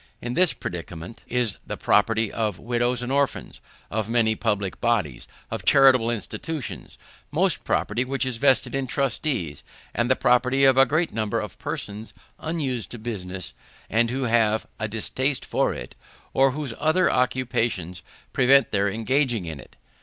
In this predicament is the property of widows and orphans; of many public bodies; of charitable institutions; most property which is vested in trustees; and the property of a great number of persons unused to business, and who have a distaste for it, or whose other occupations prevent their engaging in it.